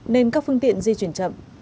nên các phương tiện di chuyển chậm